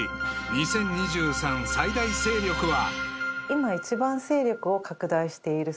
２０２３最大勢力は？］